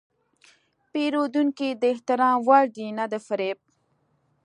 پیرودونکی د احترام وړ دی، نه د فریب.